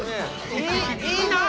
いいなあ！